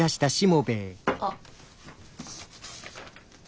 あっ。